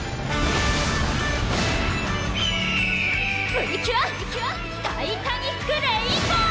プリキュア・タイタニック・レインボー！